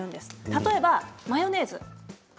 例えば、マヨネーズ。